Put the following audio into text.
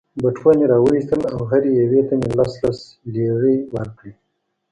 بټوه مې را وایستل او هرې یوې ته مې لس لس لیرې ورکړې.